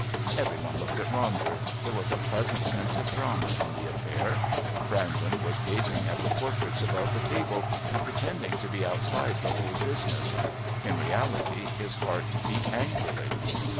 Every one looked at Ronder. There was a pleasant sense of drama in the affair. Brandon was gazing at the portraits above the table and pretending to be outside the whole business; in reality, his heart beat angrily.